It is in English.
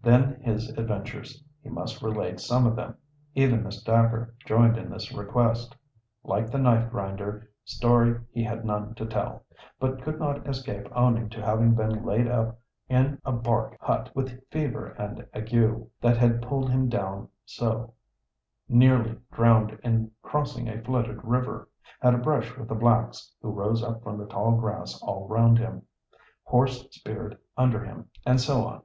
Then his adventures. He must relate some of them. Even Miss Dacre joined in this request. Like the knife grinder, "story he had none to tell," but could not escape owning to having been laid up in a bark hut with fever and ague, that had pulled him down so; nearly drowned in crossing a flooded river; had a brush with the blacks, who rose up from the tall grass all round him; horse speared under him, and so on.